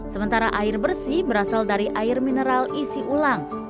sementara air bersih berasal dari air mineral isi ulang